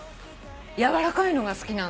やわらかいのが好きなんだよね。